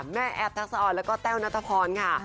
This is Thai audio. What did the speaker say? แม่แอบทักซาอดแล้วก็แต้วณตภรค่ะ